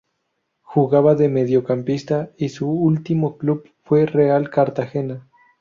Jugaba de mediocampista y su último club fue Real Cartagena.